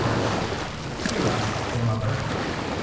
Hear us, O mother.